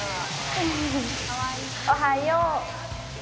おはよう。